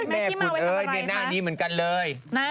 แม่ขี้เมาไปทำอะไรตอนเทพฯ